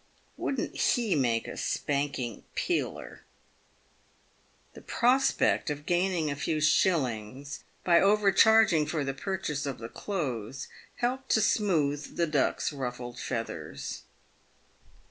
Wouldn't he make a spanking Peeler !" The prospect of gaining a few shillings, by overcharging for the pur chase of the clothes, helped to smoothe the Duck's ruffled feathers.